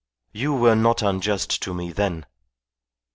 You were not unjust to me then.